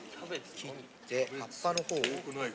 切って葉っぱの方を。